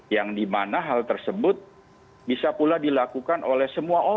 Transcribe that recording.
yang dimana hal tersebut bisa pula dilakukan oleh